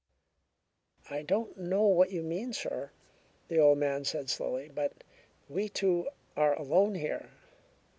"I don't know what you mean, sir," the old man said slowly, "but we two are alone here.